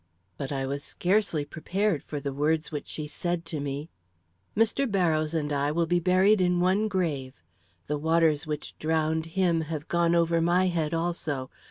But I was scarcely prepared for the words which she said to me. "Mr. Barrows and I will be buried in one grave. The waters which drowned him have gone over my head also.